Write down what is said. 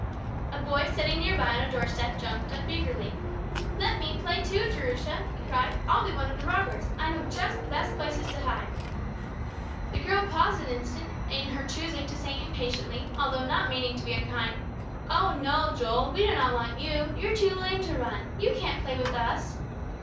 A boy sitting near by on a door step, jumped up eagerly. "Let me play, too, Jerusha!" he cried. "I'll be one of the robbers. I know just the best places to hide!" The girl paused an instant in her choosing to say impatiently, although not meaning to be unkind, "Oh, no, Joel! We do not want you. You're too lame to run. You can't play with us!"